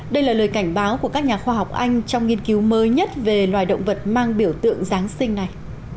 đây là lời cảnh báo của các nhà khoa học anh trong nghiên cứu mới nhất về loài động vật mang biểu tượng giáng sinh này